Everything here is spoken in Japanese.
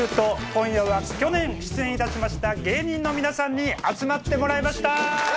今夜は去年出演いたしました芸人の皆さんに集まってもらいました！